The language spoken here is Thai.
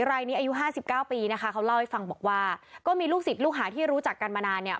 รายนี้อายุห้าสิบเก้าปีนะคะเขาเล่าให้ฟังบอกว่าก็มีลูกศิษย์ลูกหาที่รู้จักกันมานานเนี่ย